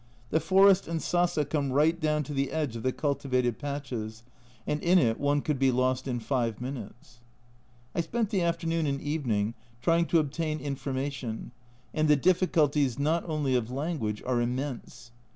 The forest and sasa come right down to the edge of the cultivated patches, and in it one could be lost in five minutes. I spent the afternoon and evening trying to obtain information, and the difficulties, not only of language, are immense.